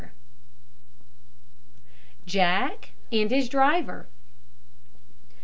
JACK AND HIS DRIVER.